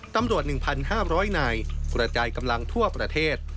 ๑๕๐๐นายกระจายกำลังทั่วประเทศ